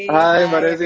hai mbak desi